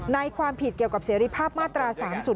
ความผิดเกี่ยวกับเสรีภาพมาตรา๓๐